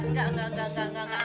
enggak enggak enggak enggak